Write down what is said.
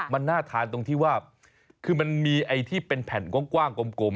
มันน่าทานตรงที่ว่าคือมันมีไอ้ที่เป็นแผ่นกว้างกลม